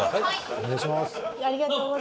お願いします。